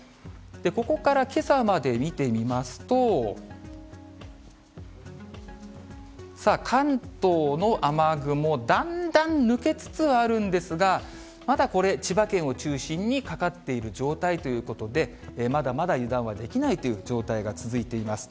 ここからけさまで見てみますと、さあ、関東の雨雲、だんだん抜けつつあるんですが、まだこれ、千葉県を中心にかかっている状態ということで、まだまだ油断はできないという状態が続いています。